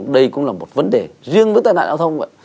đây cũng là một vấn đề riêng với tai nạn giao thông ạ